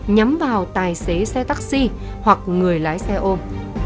nhắm vào tài xế xe taxi hoặc người lái xe ôm